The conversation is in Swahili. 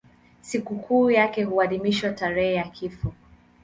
Sikukuu yake huadhimishwa tarehe ya kifo.